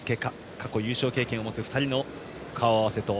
過去、優勝経験を持つ２人の顔合わせ。